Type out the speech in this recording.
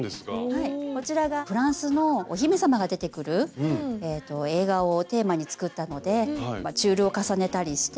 はいこちらがフランスのお姫様が出てくる映画をテーマに作ったのでチュールを重ねたりして。